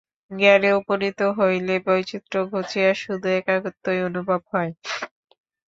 জ্ঞানে উপনীত হইলে বৈচিত্র্য ঘুচিয়া শুধু একত্বই অনুভূত হয়।